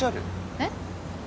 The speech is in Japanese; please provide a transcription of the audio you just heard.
えっ？